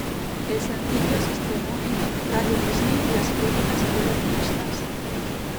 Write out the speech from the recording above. El sencillo se estrenó en Radio Disney las críticas fueron mixtas.